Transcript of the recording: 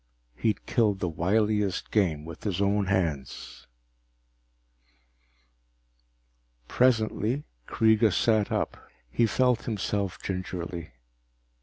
He'd killed the wiliest game with his own hands. Presently Kreega sat up. He felt himself gingerly.